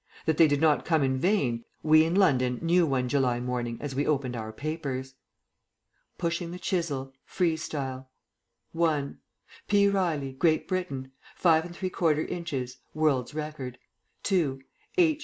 That they did not come in vain, we in London knew one July morning as we opened our papers. "PUSHING THE CHISEL (Free Style). "1. P. Riley (Great Britain), 5 3/4 in. (World's Record). 2. H.